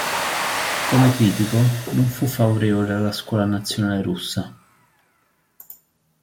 Come critico, non fu favorevole alla scuola nazionale russa.